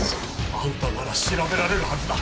あんたなら調べられるはずだ。